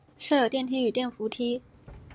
设有电梯与电扶梯。